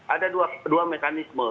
ada dua mekanisme